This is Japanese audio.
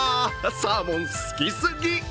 サーモン好きすぎ！